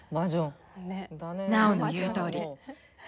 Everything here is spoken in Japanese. ナオの言うとおり。